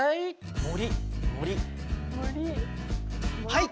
はい！